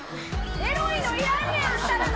エロいのいらんねん、あんたらの。